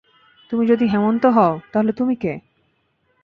তুমি যদি হেমন্ত হও, তাহলে তুমি কে?